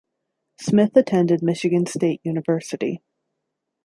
Smith attended Michigan State University.